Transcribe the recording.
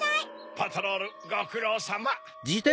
パトロールごくろうさま。